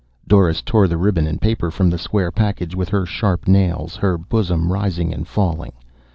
Doris tore the ribbon and paper from the square package with her sharp nails, her bosom rising and falling.